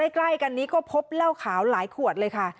ใกล้กันนี้ก็พบเหล้าขาวหลายขวดเลยค่ะ